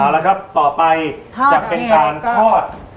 แล้วก็ต่อไปจะเป็นการทอด